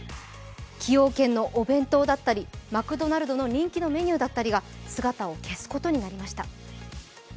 崎陽軒のお弁当だったりマクドナルドの人気のメニューが姿を消すことになりました。